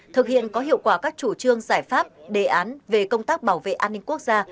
thực hiện có hiệu quả các chủ trương giải pháp đề án về công tác bảo vệ an ninh quốc gia